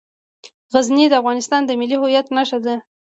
غزني د افغانستان د ملي هویت نښه ده.